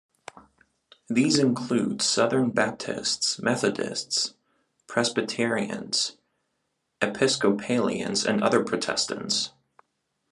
These include Southern Baptists, Methodists, Presbyterians, Episcopalians, and Other Protestants.